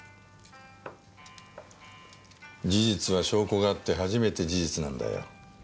事実は証拠があって初めて事実なんだよ。